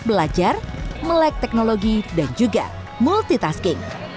belajar melek teknologi dan juga multitasking